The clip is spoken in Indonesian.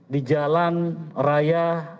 di jalan raya